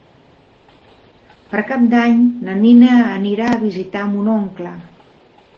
Per Cap d'Any na Nina anirà a visitar mon oncle.